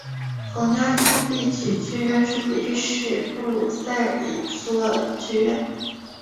皇家铸币局剧院是比利时布鲁塞尔的一座剧院。